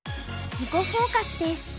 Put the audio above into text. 「囲碁フォーカス」です。